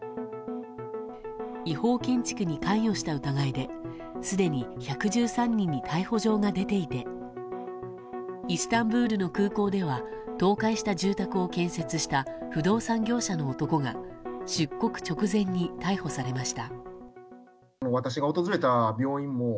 違法建築に関与した疑いですでに１１３人に逮捕状が出ていてイスタンブールの空港では倒壊した住宅を建設した不動産業者の男が出国直前に逮捕されました。